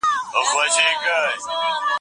د واکسین د اغېزو څارنه کېږي.